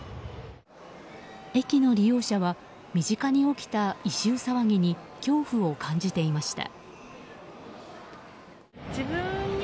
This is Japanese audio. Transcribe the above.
駅の利用者は身近に起きた異臭騒ぎに恐怖を感じていました。